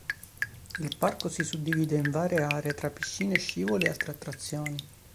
Il parco si suddivide in varie aree tra piscine, scivoli ed altre attrazioni.